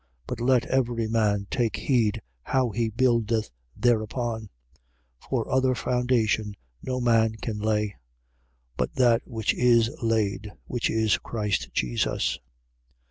But let every man take heed how he buildeth thereupon. 3:11. For other foundation no man can lay, but that which is laid: which is Christ Jesus.